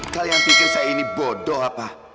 kalian pikir saya ini bodoh apa